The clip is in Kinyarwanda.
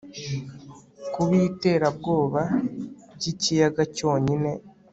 Kubiterabwoba byikiyaga cyonyine